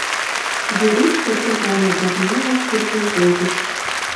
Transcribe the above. Веруш шыргыжале да тунамак куржын колтыш.